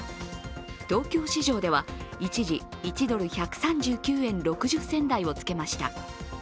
東京市場では一時１ドル＝１３９円６０銭台をつけました。